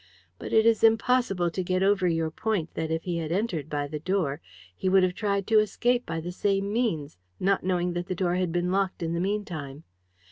But it is impossible to get over your point that if he had entered by the door he would have tried to escape by the same means, not knowing that the door had been locked in the meantime.